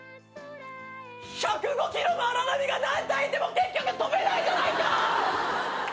１０５ｋｇのアラナミが何体いても結局飛べないじゃないか！